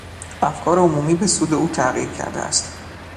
افکار عمومی به سود او تغییر کردهاست.